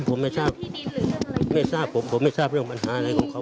ผมไม่ทราบไม่ทราบผมผมไม่ทราบเรื่องปัญหาอะไรของเขา